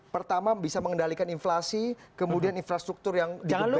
pertama bisa mengendalikan inflasi kemudian infrastruktur yang dibutuhkan